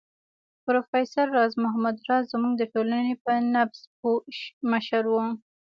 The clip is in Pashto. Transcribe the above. پروفېسر راز محمد راز زموږ د ټولنې په نبض پوه مشر و